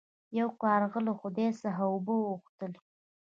یو کارغه له خدای څخه اوبه وغوښتلې.